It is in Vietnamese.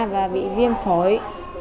và bị viêm phổi